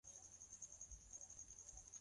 hakikisha maji hayagusi kiazi